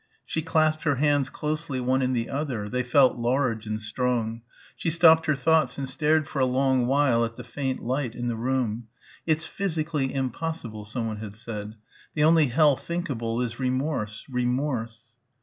She clasped her hands closely one in the other. They felt large and strong. She stopped her thoughts and stared for a long while at the faint light in the room.... "It's physically impossible" someone had said ... the only hell thinkable is remorse ... remorse....